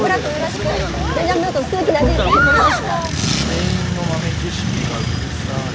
「店員の豆知識がうるさい」。